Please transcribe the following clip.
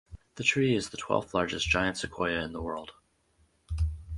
The tree is the twelfth largest giant sequoia in the world.